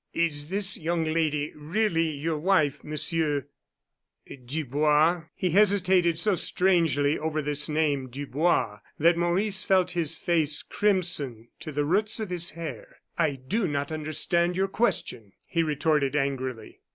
"Is this young lady really your wife, Monsieur Dubois?" He hesitated so strangely over this name, Dubois, that Maurice felt his face crimson to the roots of his hair. "I do not understand your question," he retorted, angrily.